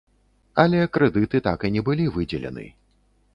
Але крэдыты так і не былі выдзелены.